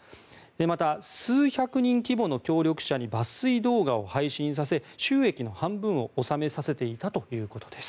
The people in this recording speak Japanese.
また、数百人規模の協力者に抜粋動画を配信させ収益の半分を納めさせていたということです。